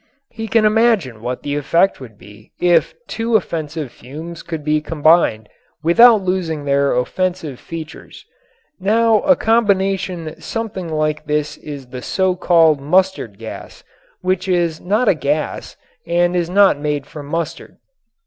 He can imagine what the effect would be if two offensive fumes could be combined without losing their offensive features. Now a combination something like this is the so called mustard gas, which is not a gas and is not made from mustard.